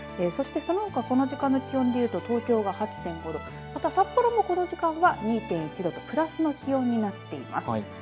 そしてそのほかこの時間の気温でいうと東京が８．５度札幌も、この時間は２．１度とプラスの気温になっています。